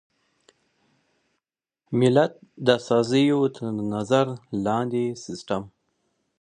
ملت د استازیو تر نظر لاندې سیسټم.